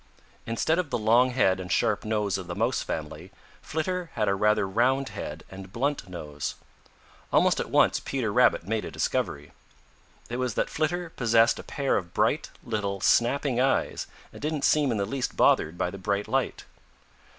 Instead of the long head and sharp nose of the Mouse family, Flitter had a rather round head and blunt nose. Almost at once Peter Rabbit made a discovery. It was that Flitter possessed a pair of bright, little, snapping eyes and didn't seem in the least bothered by the bright light.